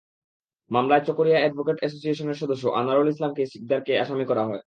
মামলায় চকরিয়া অ্যাডভোকেট অ্যাসোসিয়েশনের সদস্য আনোয়ারুল ইসলাম সিকদারকে আসামি করা হয়।